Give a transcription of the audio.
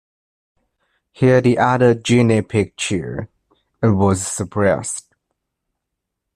Here the other guinea-pig cheered, and was suppressed.